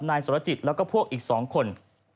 นายสระจิตและพวกอีก๒คน